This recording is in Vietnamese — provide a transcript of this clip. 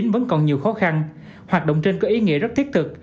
vẫn còn nhiều khó khăn hoạt động trên có ý nghĩa rất thiết thực